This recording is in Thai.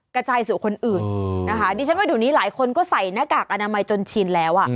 กระจายสู่คนอื่นนี่ฉันก็ดูนี้หลายคนก็ใส่หน้ากากอนามัยจนชินแล้ว